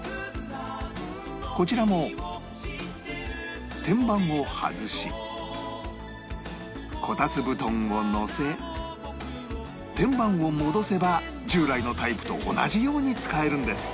こちらも天板を外しこたつ布団をのせ天板を戻せば従来のタイプと同じように使えるんです